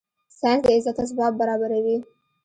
ساینس د عزت اسباب برابره وي